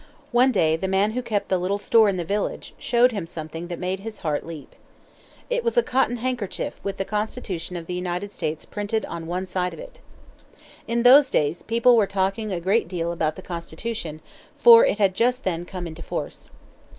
One day the man who kept the little store in the village, showed him something that made his heart leap. It was a cotton handkerchief with the Constitution of the United States printed on one side of it. In those days people were talking a great deal about the Constitution, for it had just then come into force.